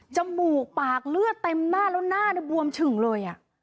มูกปากเลือดเต็มหน้าแล้วหน้าบวมฉึ่งเลย